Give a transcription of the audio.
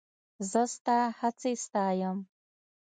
زه ستا هڅې ستایم.